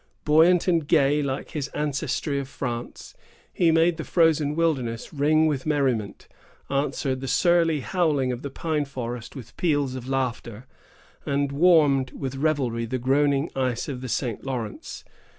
Buoyant and gay, like his ancestry of France, he made the frozen wilderness ring with merriment, answered the surly howling of the pine forest with peals of laughter, and warmed with revelry the groaning ice of the St. Lawrence.